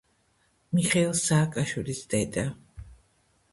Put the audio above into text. მიხეილ სააკაშვილის დედა.